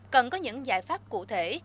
cần có những giải pháp cụ thể